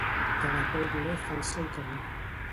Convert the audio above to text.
Cada poble fa el seu camí.